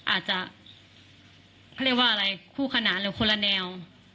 อาจจะเขาเรียกว่าอะไรคู่ขนานหรือคนละแนว